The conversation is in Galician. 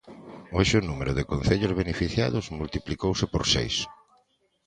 Hoxe o número de concellos beneficiados multiplicouse por seis.